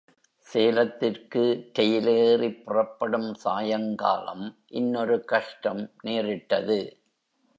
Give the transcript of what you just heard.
சேலத்திற்கு ரெயிலேறிப் புறப்படும் சாயங்காலம் இன்னொரு கஷ்டம் நேரிட்டது.